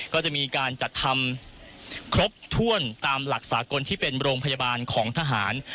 ก็จะมีการจัดทำครบถ้วนตามหลักสากลที่เป็นโรงพยาบาลของทหาร